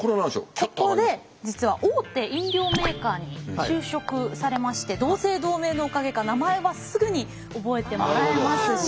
ここで実は大手飲料メーカーに就職されまして同姓同名のおかげか名前はすぐに覚えてもらえますし。